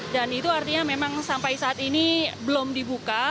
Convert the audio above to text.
dan itu artinya memang sampai saat ini belum dibuka